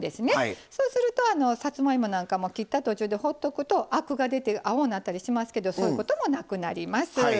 そうするとさつまいもなんかも切った途中でほっとくとアクが出て青になったりしますけどそういうこともなくなります。